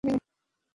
কী বললে, লিলি?